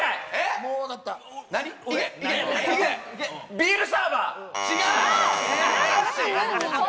ビールサーバー。